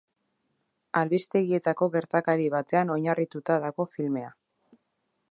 Albistegietako gertakari batean oinarrituta dago filmea.